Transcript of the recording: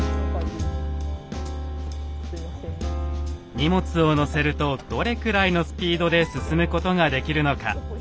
荷物を載せるとどれくらいのスピードで進むことができるのか。